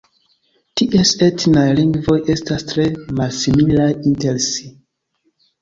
Ties etnaj lingvoj estas tre malsimilaj inter si.